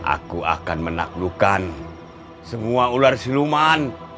aku akan menaklukkan semua ular siluman